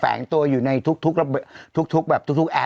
แฝงตัวอยู่ในทุกแอปนะครับ